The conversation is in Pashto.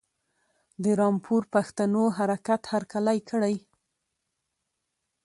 د رامپور پښتنو حرکت هرکلی کړی.